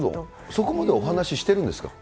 そこまでお話しているんですか。